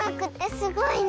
すごいね！